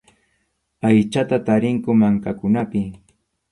Aychata tarinku mankakunapi.